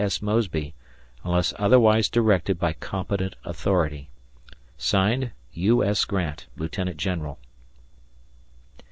S. Mosby, unless otherwise directed by competent authority. (Signed) U. S. Grant, Lieutenant General.